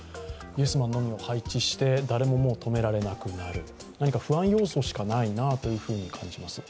イエスマンのみを配置して誰ももう止められなくなる何か不安要素しかないなと感じます。